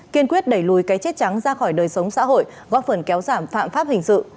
kiên quyết đẩy lùi cái chết trắng ra khỏi đời sống xã hội góp phần kéo giảm phạm pháp hình sự